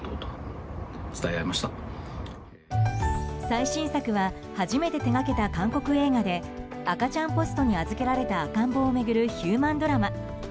最新作は初めて手掛けた韓国映画で赤ちゃんポストに預けられた赤ん坊を巡るヒューマンドラマ。